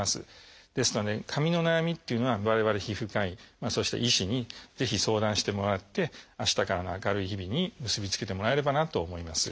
ですので髪の悩みっていうのは我々皮膚科医そして医師にぜひ相談してもらって明日からの明るい日々に結び付けてもらえればなと思います。